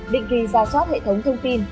định kỳ ra chót hệ thống thông tin